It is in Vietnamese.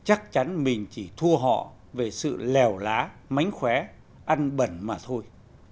chắc chắn mình chỉ thua họ về sự lèo lá mánh khóe ăn bẩn mà thôi